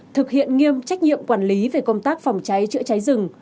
thực hiện nghiêm trách nhiệm quản lý về công tác phòng cháy chữa cháy rừng